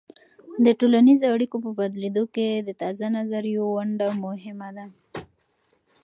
د ټولنیزو اړیکو په بدلیدو کې د تازه نظریو ونډه مهمه ده.